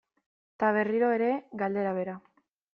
Eta berriro ere galdera bera.